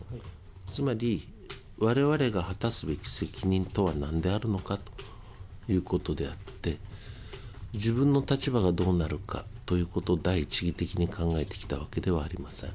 つまり、われわれが果たすべき責任とはなんであるのかということであって、自分の立場がどうなるのかということを第一義的に考えてきたわけではありません。